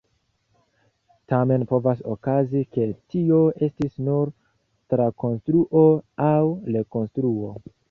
Tamen povas okazi, ke tio estis nur trakonstruo aŭ rekonstruo.